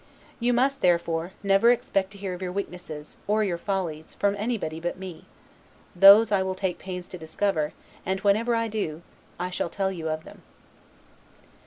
You must, therefore, never expect to hear of your weaknesses, or your follies, from anybody but me; those I will take pains to discover, and whenever I do, shall tell you of them.